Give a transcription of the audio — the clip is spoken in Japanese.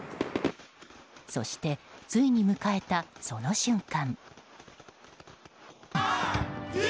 そして、ついに迎えたその瞬間。